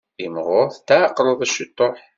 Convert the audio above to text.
Imɣur tetεeqqleḍ ciṭuḥ.